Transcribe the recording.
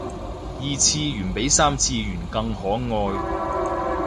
二次元比三次元更可愛